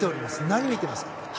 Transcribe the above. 何を見ていますか？